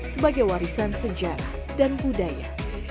sebagai warisan sejarah dan budaya